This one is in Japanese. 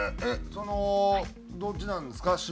えっそのどっちなんですか？